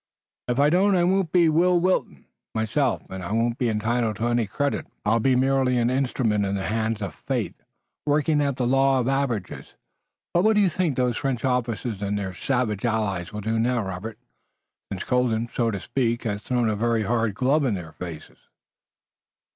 "If I do it won't be Will Wilton, myself, and I won't be entitled to any credit. I'll be merely an instrument in the hands of fate, working out the law of averages. But what do you think those French officers and their savage allies will do now, Robert, since Colden, so to speak, has thrown a very hard glove in their faces?"